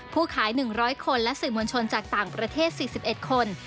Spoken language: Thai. ขาย๑๐๐คนและสื่อมวลชนจากต่างประเทศ๔๑คน